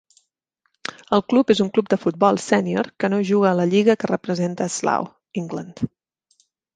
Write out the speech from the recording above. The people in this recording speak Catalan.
El club és un club de futbol sénior que no juga a la lliga que representa Slough, England.